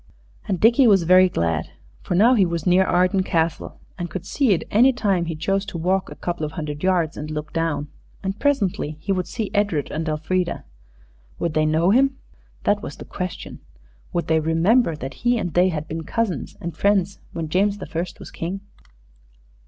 And Dickie was very glad. For now he was near Arden Castle, and could see it any time that he chose to walk a couple of hundred yards and look down. And presently he would see Edred and Elfrida. Would they know him? That was the question. Would they remember that he and they had been cousins and friends when James the First was King?